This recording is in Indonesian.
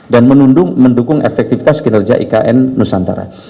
dan mendukung efektivitas kinerja ikn nusantara